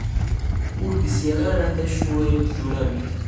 Ur gziɣ ara d acu ay d-turamt.